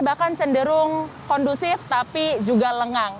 bahkan cenderung kondusif tapi juga lengang